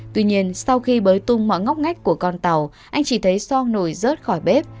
tuy nhiên sau khi bới tung mọi ngóc ngách của con tàu anh chỉ thấy so nổi rớt khỏi bếp